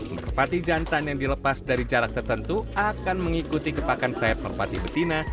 merpati jantan yang dilepas dari jarak tertentu akan mengikuti kepakan sayap merpati betina